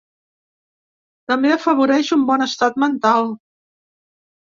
També afavoreix un bon estat mental.